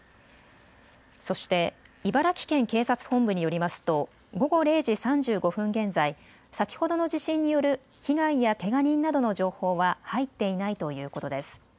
そして茨城県警察本部によりますと午後０時３５分現在、先ほどの地震による被害やけが人などの情報は入っていないということです。